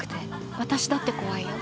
私だって怖いよ。